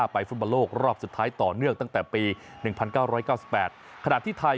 ไปฟุดบัลโลกรอบสุดท้ายต่อเนื่องตั้งแต่ปี๑๙๙๘